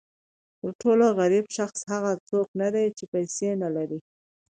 تر ټولو غریب شخص هغه څوک نه دی چې پیسې نه لري.